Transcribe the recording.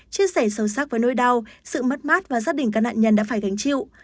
chia sẻ sâu sắc với nỗi đau sự mất mát và gia đình các nạn nhân đã phải gánh chịu